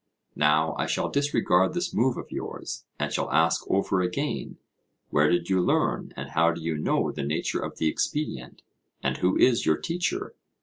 Now I shall disregard this move of yours, and shall ask over again, Where did you learn and how do you know the nature of the expedient, and who is your teacher?